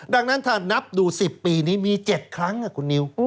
ดังนั้นถ้านับดู๑๐ปีนี้มี๗ครั้งคุณนิว